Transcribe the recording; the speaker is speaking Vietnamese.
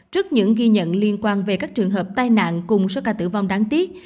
trước những ghi nhận liên quan về các trường hợp tai nạn cùng số ca tử vong đáng tiếc